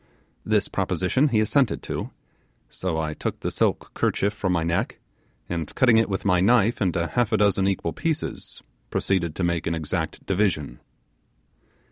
This proposition he assented to; so I took the silk kerchief from my neck, and cutting it with my knife into half a dozen equal pieces, proceeded to make an exact division.